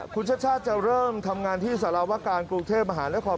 คุณชาติชาติจะเริ่มทำงานที่สารวการกรุงเทพมหานคร